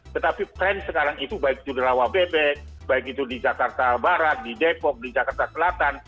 tetapi tren sekarang itu baik itu di rawa bebek baik itu di jakarta barat di depok di jakarta selatan